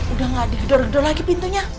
udah gak ada gedor gedor lagi pintunya